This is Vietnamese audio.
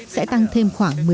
sẽ tăng thêm khoảng